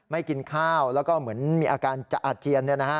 กินข้าวแล้วก็เหมือนมีอาการจะอาเจียน